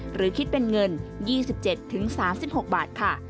หรือคิดเป็นเงิน๒๗๓๖บาทค่ะ